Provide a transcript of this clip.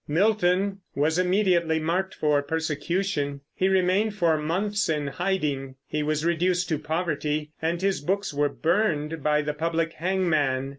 Milton was immediately marked for persecution; he remained for months in hiding; he was reduced to poverty, and his books were burned by the public hangman.